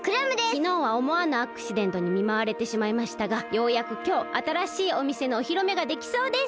きのうはおもわぬアクシデントにみまわれてしまいましたがようやくきょうあたらしいおみせのおひろめができそうです。